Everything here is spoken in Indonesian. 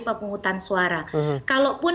pemungutan suara kalaupun